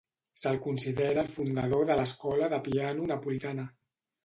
Se'l considera el fundador de l'escola de piano napolitana.